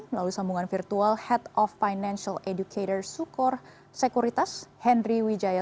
melalui sambungan virtual head of financial educator sukor sekuritas henry wijaya